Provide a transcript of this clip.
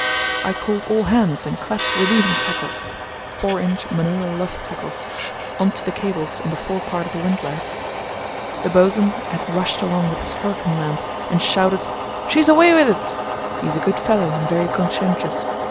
I called all hands and clapped relieving tackles (4 in. Manila luff tackles) on to the cables on the forepart of the windlass. The bos'n had rushed along with his hurricane lamp, and shouted, 'She's away wi' it!' He is a good fellow and very conscientious.